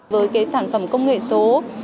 với cái sản phẩm công nghệ số